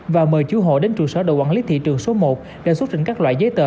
và mời chú hộ đến trụ sở đội quản lý thị trường số một để xuất trình các loại giấy tờ